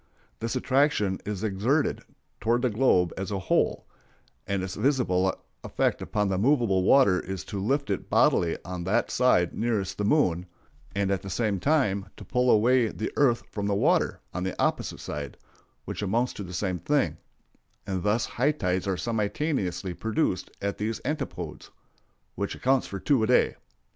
This attraction is exerted toward the globe as a whole; and its visible effect upon the movable water is to lift it bodily on that side nearest the moon, and at the same time to pull away the earth from the water on the opposite side, which amounts to the same thing; and thus high tides are simultaneously produced at these antipodes, which accounts for the two a day.